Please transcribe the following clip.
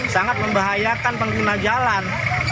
sangat membahayakan pengguna jalan